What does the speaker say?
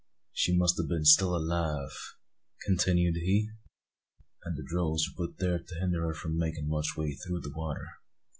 "She must a' been still alive," continued he, "and the drogues were put thear to hinder her from makin' much way through the water.